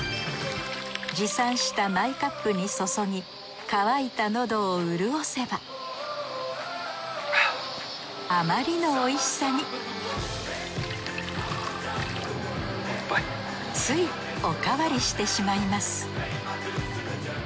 持参したマイカップに注ぎ渇いたのどを潤せばあまりのおいしさについおかわりしてしまいます